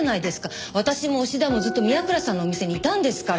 私も押田もずっと宮倉さんのお店にいたんですから。